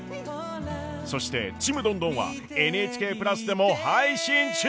そして「ちむどんどん」は「ＮＨＫプラス」でも配信中！